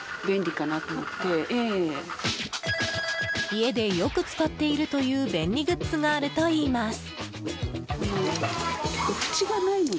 家でよく使っているという便利グッズがあるといいます。